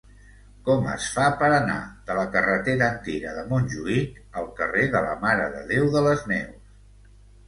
Com es fa per anar de la carretera Antiga de Montjuïc al carrer de la Mare de Déu de les Neus?